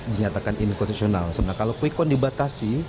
dinyatakan inkonstitusional sebenarnya kalau quick count dibatasi